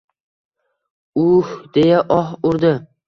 — U-u-uh!.. — deya oh urdi.